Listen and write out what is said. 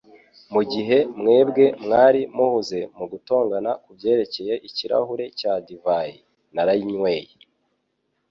mugihe mwebwe mwari muhuze mugutongana kubyerekeye ikirahure cya divayi, narayinyweye!